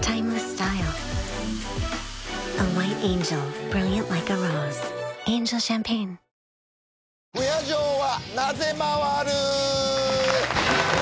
「不夜城はなぜ回る」